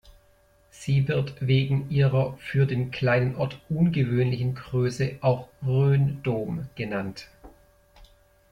Sie wird wegen ihrer für den kleinen Ort ungewöhnlichen Größe auch „Rhön-Dom“ genannt.